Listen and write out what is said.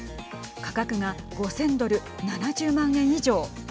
価格が５０００ドル７０万円以上。